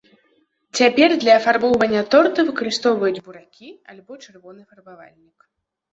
Цяпер для афарбоўвання торта выкарыстоўваюць буракі альбо чырвоны фарбавальнік.